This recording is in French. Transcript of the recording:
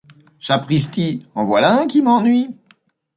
Sapristi, en voilà un qui m'ennuie !